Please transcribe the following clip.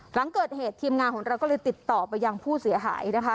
หลังเกิดเหตุทีมงานของเราก็เลยติดต่อไปยังผู้เสียหายนะคะ